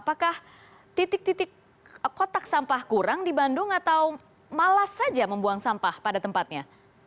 apakah titik titik kotak sampah kurang di bandung atau malas saja membuang sampah pada tempatnya